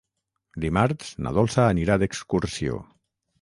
Dimarts na Dolça anirà d'excursió.